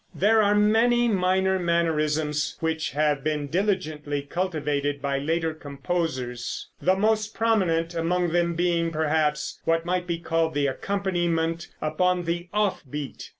There are many minor mannerisms which have been diligently cultivated by later composers, the most prominent among them being perhaps what might be called the accompaniment upon the off beat.